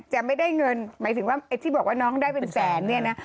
จะไม่ได้เงินหมายถึงว่าไอ้ที่บอกว่าน้องได้เป็นแสนเนี่ยนะ